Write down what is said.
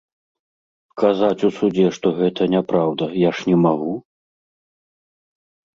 Казаць у судзе, што гэта няпраўда, я ж не магу!